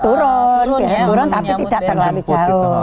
turun turun tapi tidak terlalu jauh